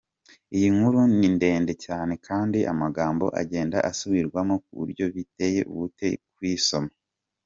Iyi nkuru ni ndende Cyane kandi amagambo agenda asubirwamo kuburyo biteye ubute kuyisoma.